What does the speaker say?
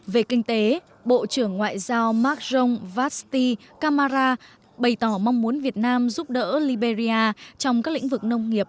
về kinh tế bộ trưởng ngoại giao macron vasi kamara bày tỏ mong muốn việt nam giúp đỡ liberia trong các lĩnh vực nông nghiệp